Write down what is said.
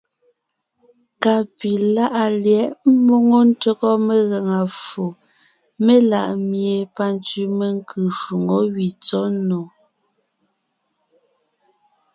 Ka pi láʼa lyɛ̌ʼ ḿmoŋo ntÿɔgɔ megaŋa ffo melaʼ mie pantsẅi menkʉ́ shwoŋó gẅí tsɔ́ nò.